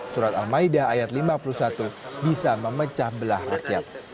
surat al maidah ayat lima puluh satu bisa memecah belah rakyat